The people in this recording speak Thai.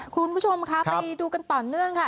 คุณผู้ชมค่ะไปดูกันต่อเนื่องค่ะ